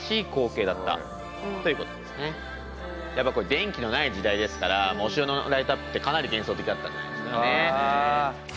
電気のない時代ですからお城のライトアップってかなり幻想的だったんじゃないんですかね。